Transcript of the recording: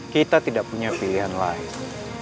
kita tidak punya pilihan lain